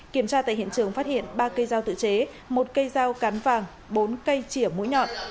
kiểm tra tại hiện trường phát hiện ba cây giao tự chế một cây giao cán vàng bốn cây chỉa mũi nhọn